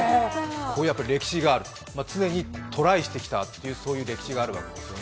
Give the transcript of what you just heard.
歴史がある、常にトライしてきたという歴史があるわけです。